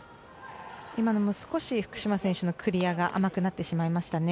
今のも少し福島選手のクリアが甘くなってしまいましたね。